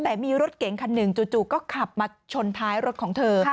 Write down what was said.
แต่มีรถเก๋งคันหนึ่งจู่ก็ขับมาชนท้ายรถของเธอ